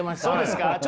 そうですか？